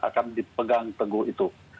akan dipegang teguh itu